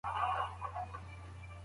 سوفسطائيانو کوم نهضت پيل کړ؟